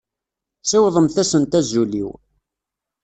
Siwḍemt-asent azul-iw.